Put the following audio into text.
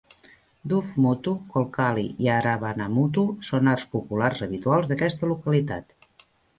Duff Muttu, Kolkali i Aravanamuttu són arts populars habituals d'aquesta localitat.